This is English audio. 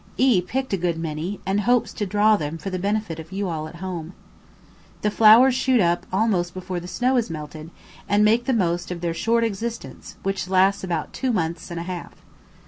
E picked a good many, and hopes to draw them for the benefit of you all at home. The flowers shoot up almost before the snow has melted, and make the most of their short existence which lasts about two months and a half.